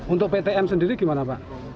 untuk ptm sendiri gimana pak